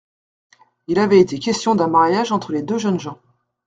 Il avait été question d'un mariage entre les deux jeunes gens.